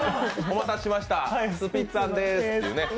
お待たせしました、スピッツァンでーすって？